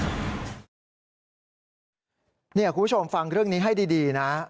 คุณผู้ชมฟังเรื่องนี้ให้ดีนะ